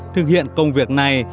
thực hiện công việc này